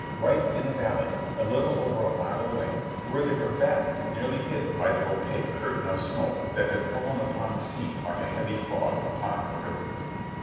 Right in a valley, a little over a mile away, were the combatants nearly hidden by the opaque curtain of smoke that had fallen upon the scene like a heavy fog upon a river.